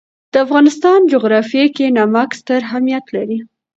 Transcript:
د افغانستان جغرافیه کې نمک ستر اهمیت لري.